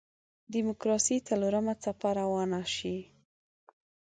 د دیموکراسۍ څلورمه څپه روانه شي.